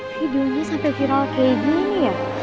kok videonya sampai viral kayak gini ya